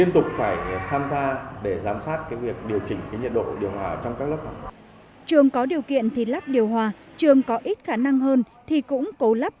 trường có điều kiện thì lắp điều hòa trường có ít khả năng hơn thì cũng cố lắp